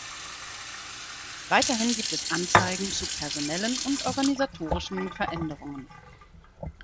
Weiterhin gibt es Anzeigen zu personellen und organisatorischen Veränderungen.